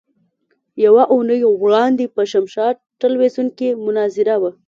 يوه اونۍ وړاندې په شمشاد ټلوېزيون کې مناظره وه.